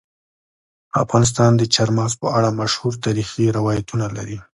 افغانستان د چار مغز په اړه مشهور تاریخی روایتونه لري.